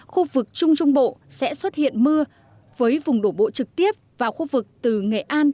khu vực trung trung bộ sẽ xuất hiện mưa với vùng đổ bộ trực tiếp vào khu vực từ nghệ an